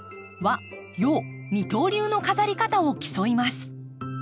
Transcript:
和・洋二刀流の飾り方を競います。